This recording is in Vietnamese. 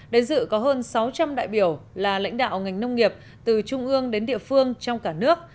đến dự có hơn sáu trăm linh đại biểu là lãnh đạo ngành nông nghiệp từ trung ương đến địa phương trong cả nước